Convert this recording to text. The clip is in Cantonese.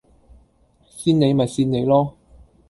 跣你咪跣你囉